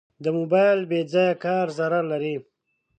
د موبایل بېځایه کار ضرر لري.